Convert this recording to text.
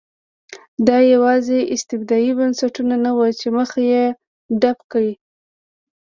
دا یوازې استبدادي بنسټونه نه وو چې مخه یې ډپ کړه.